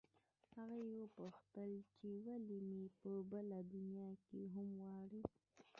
هغې وپوښتل چې ولې مې په بله دنیا کې هم غواړې